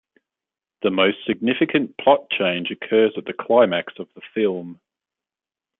The most significant plot change occurs at the climax of the film.